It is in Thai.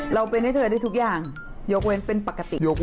เราเป็นให้เธอได้ทุกอย่างยกเว้นเป็นปกติ